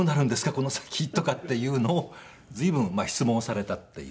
この先！」とかっていうのを随分質問をされたっていう感じでしたけど。